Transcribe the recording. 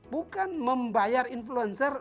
bukan membayar influencer